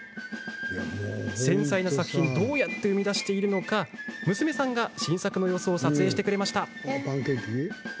繊細な作品をどうやって生み出しているのか娘さんが新作の様子を撮影してくれました。